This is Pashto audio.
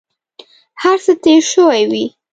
هر څه تېر شوي وي.